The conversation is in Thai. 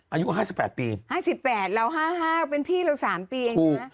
อายุ๕๘ปี๕๘เรา๕๕เป็นพี่เรา๓ปีเองนะ